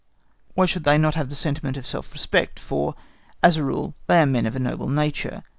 Why should they not have the sentiment of self respect, for, as a rule, they are men of a noble nature?